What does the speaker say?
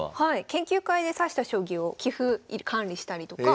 研究会で指した将棋を棋譜管理したりとか。